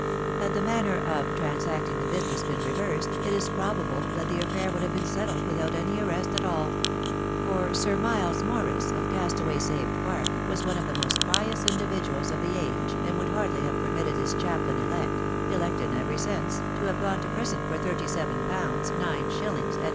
Had the manner of transacting the business been reversed* it is probable that the affair would have been settled without any arrest at all; for Sir Miles Morice, of Castaway Saved Park, was one of the most pious individuals of the age, and would hardly have permitted his chaplain elect (elect in every sense) to have gone to prison for thirty seven pounds, nine shillings, and.